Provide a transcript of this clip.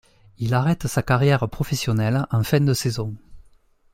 Il arrête sa carrière professionnelle en fin de saison.